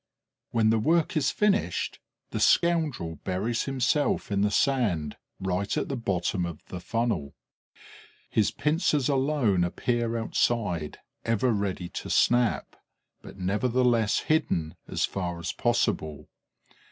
When the work is finished, the scoundrel buries himself in the sand, right at the bottom of the funnel; his pincers alone appear outside, ever ready to snap, but nevertheless hidden as far as possible.